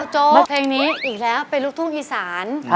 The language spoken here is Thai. โจ๊กเพลงนี้อีกแล้วเป็นลูกทุ่งอีสาน